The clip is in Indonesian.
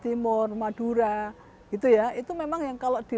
itu memang yang kalau dilihat diteliti sekarang itu memang yang terbanyak